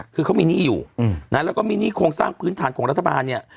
คือเขามีหนี้อยู่นะแล้วก็มีหนี้โครงสร้างพื้นฐานของรัฐบาลเนี่ย